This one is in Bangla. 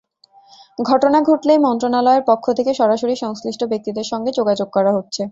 ঘটনা ঘটলেই মন্ত্রণালয়ের পক্ষ থেকে সরাসরি সংশ্লিষ্ট ব্যক্তিদের সঙ্গে যোগাযোগ করা হচ্ছে।